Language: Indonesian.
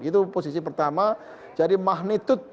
itu posisi pertama jadi magnitude